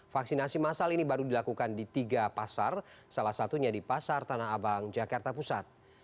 vaksinasi masal ini baru dilakukan di tiga pasar salah satunya di pasar tanah abang jakarta pusat